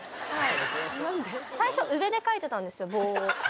最初上で描いてたんですよ棒を。